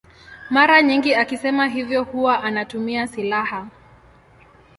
Mara nyingi akisema hivyo huwa anatumia silaha.